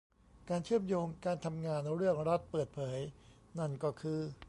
การเชื่อมโยงการทำงานเรื่องรัฐเปิดเผยนั่นก็คือ